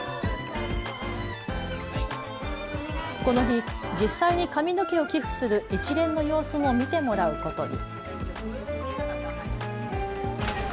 この日、実際に髪の毛を寄付する一連の様子も見てもらうことに。